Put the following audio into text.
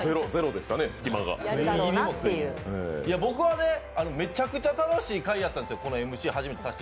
僕はめちゃくちゃ楽しい回だったんですよ。